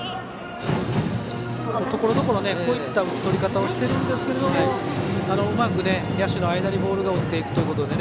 ところどころこういった打ち取り方をしているんですがうまく野手の間にボールが落ちていくということで。